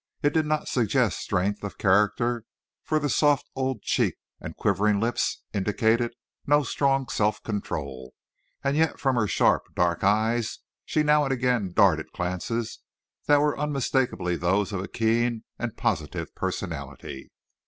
It did not suggest strength of character, for the soft old cheeks and quivering lips indicated no strong self control, and yet from her sharp, dark eyes she now and again darted glances that were unmistakably those of a keen and positive personality.